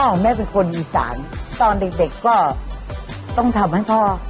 แม่เป็นคนอีสานตอนเด็กก็ต้องทำให้พ่อ